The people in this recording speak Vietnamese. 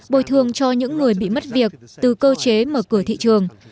bồi thường cho những người bị mất việc từ cơ chế mở cửa thị trường